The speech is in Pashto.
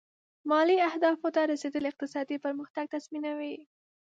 مالي اهدافو ته رسېدل اقتصادي پرمختګ تضمینوي.